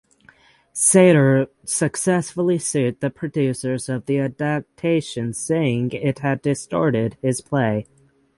Satre successfully sued the producers of the adaptation saying it had distorted his play.